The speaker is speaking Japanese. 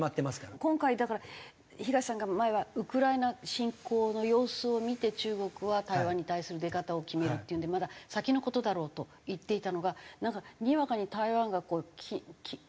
今回だから東さんが前はウクライナ侵攻の様子を見て中国は台湾に対する出方を決めるっていうんでまだ先の事だろうと言っていたのがなんかにわかに台湾がきな臭いっていう。